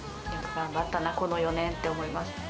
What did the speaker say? よく頑張ったな、この４年って思います。